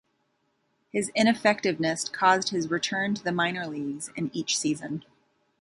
His ineffectiveness caused his return to the minor leagues in each season.